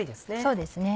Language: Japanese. そうですね。